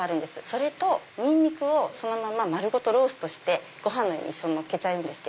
それとニンニクを丸ごとローストしてご飯の上に一緒にのっけちゃうんです。